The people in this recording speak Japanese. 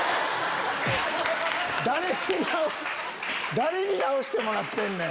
誰に直してもらってんねん！